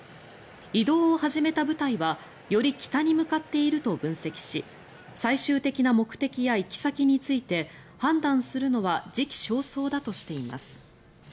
移動を始めた部隊はより北に向かっていると分析し最終的な目的や行き先について判断するのは時期尚早だとしています。